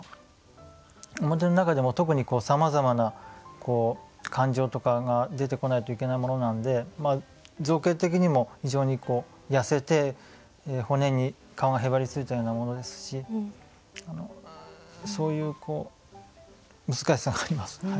面の中でも特にさまざまな感情とかが出てこないといけないものなんで造形的にも非常に痩せて骨に皮がへばりついたようなものですしそういう難しさがあります。